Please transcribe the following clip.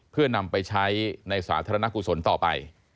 เพื่อนำไปใช้ในสาธารณกุศลต่อไป